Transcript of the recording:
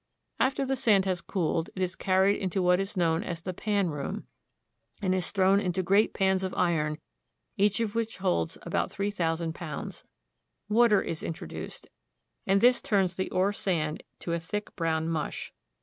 After the sand has cooled, it is carried into what is known Interior of a Silver Mill. as the pan room, and is thrown into great pans of iron, each of which holds about three thousand pounds. Water is introduced, and this turns the ore sand to a thick brown mush.